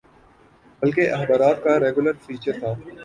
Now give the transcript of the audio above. بلکہ اخبارات کا ریگولر فیچر تھا۔